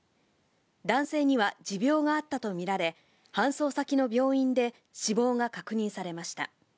男性には持病があったと見られ、搬送先の病院で死亡が確認されました。